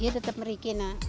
iya tetap di sini